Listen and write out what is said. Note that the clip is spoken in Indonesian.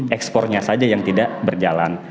ekspornya saja yang tidak berjalan